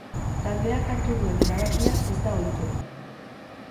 Taldeak hartu duen erabakia ez da ohikoena.